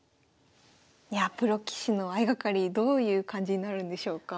いやプロ棋士の相掛かりどういう感じになるんでしょうか。